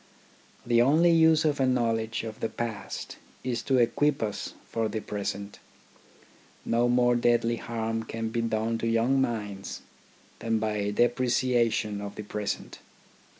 The only use of a knowledge of the past is to equip us for the present. No more deadly harm can be done to young minds than by depreciation of the present.